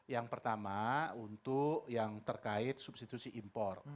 yang pertama untuk yang terkait substitusi impor